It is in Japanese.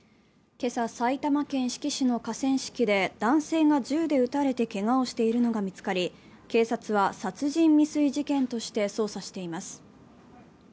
今朝、埼玉県志木市の河川敷で男性が銃で撃たれてけがをしているのが見つかり、警察は殺人未遂事件として捜査しています。